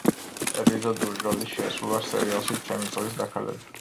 ეპიზოდური როლი შეასრულა სერიალში „ჩემი ცოლის დაქალები“.